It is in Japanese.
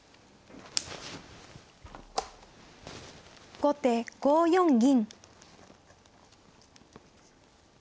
後手５四銀。